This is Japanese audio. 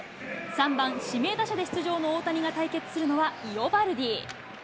３番指名打者で出場の大谷が対決するのは、イオバルディ。